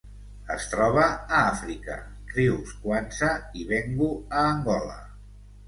Es troba a Àfrica: rius Cuanza i Bengo a Angola.